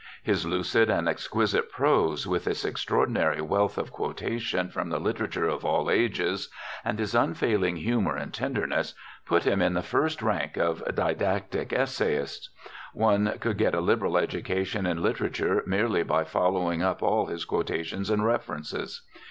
His lucid and exquisite prose, with its extraordinary wealth of quotation from the literature of all ages, and his unfailing humor and tenderness, put him in the first rank of didactic essayists. One could get a liberal education in literature merely by following up all his quotations and references.